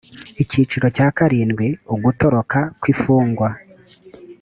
icyiciro cya karindwi ugutoroka kw imfungwa